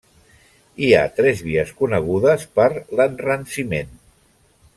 Hi ha tres vies conegudes per l'enranciment.